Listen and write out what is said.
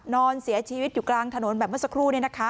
นอนเสียชีวิตอยู่กลางถนนแบบเมื่อสักครู่